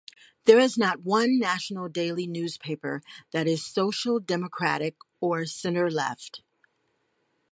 There is not one national daily newspaper that is Social democratic or centre-left.